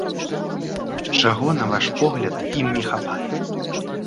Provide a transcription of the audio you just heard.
Чаго, на ваш погляд, ім не хапае?